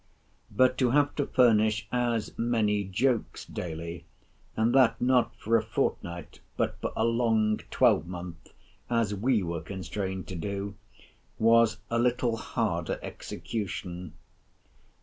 But to have to furnish as many jokes daily, and that not for a fortnight, but for a long twelvemonth, as we were constrained to do, was a little harder execution.